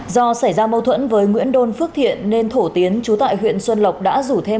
do xảy ra mâu thuẫn với nguyễn đôn phước thiện nên thổ tiến chú tại huyện xuân lộc đã rủ thêm